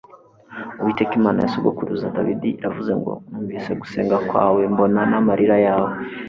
uwiteka imana ya sogokuruza dawidi iravuze ngo numvise gusenga kwawe mbona n'amarira yawe